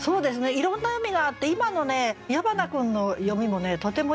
いろんな読みがあって今の矢花君の読みもねとてもいいと思いますね。